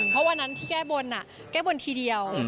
เพราะวันนั้นที่แก้บนแก้บนทีเดียว